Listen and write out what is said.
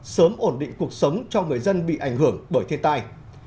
sớm ổn định cuộc sống cho người dân bị ảnh hưởng bởi thiên tai